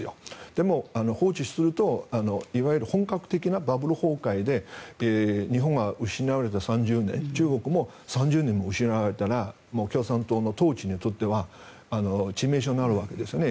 でも、放置するといわゆる本格的なバブル崩壊で日本が失われた３０年中国も３０年も失われたら共産党の統治にとっては致命傷になるわけですね。